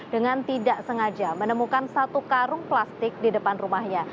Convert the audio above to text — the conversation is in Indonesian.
dengan tidak sengaja menemukan satu karung plastik di depan rumahnya